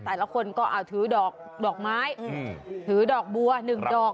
แต่ละคนก็ถือดอกไม้ถือดอกบัว๑ดอก